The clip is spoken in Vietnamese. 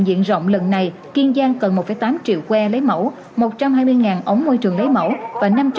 diện rộng lần này kiên giang cần một tám triệu que lấy mẫu một trăm hai mươi ống môi trường lấy mẫu và năm trăm linh